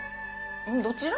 どちら？